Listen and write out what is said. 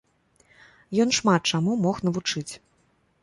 Ён шмат чаму мог навучыць.